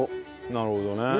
なるほどね。